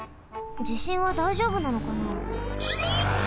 じしんはだいじょうぶなのかな？